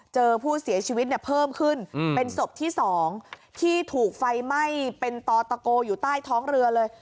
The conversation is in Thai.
เจอผู้เสียชีวิตเนี่ยเพิ่มขึ้นเป็นศพที่๒ที่ถูกไฟไหม้เป็นตอตะโกอยู่ใต้ท้องเรือเลย